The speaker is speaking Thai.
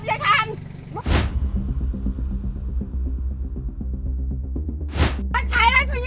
เมื่อมึงชุกกูก่อนนะ